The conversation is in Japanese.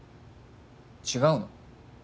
違うの？